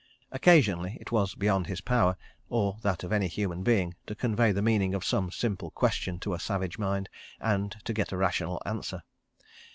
Occasionally it was beyond his power, or that of any human being, to convey the meaning of some simple question to a savage mind, and to get a rational answer.